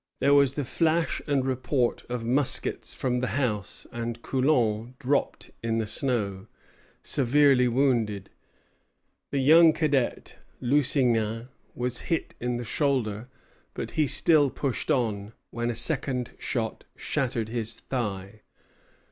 There was the flash and report of muskets from the house, and Coulon dropped in the snow, severely wounded. The young cadet, Lusignan, was hit in the shoulder; but he still pushed on, when a second shot shattered his thigh.